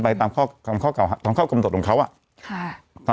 ไปตามข้อทำทางข้อเก่าคำตรวจของเขาอ่ะค่ะ